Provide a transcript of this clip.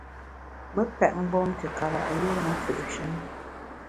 Me pèt mgbom te kara’ yùe m’ fù’she ne.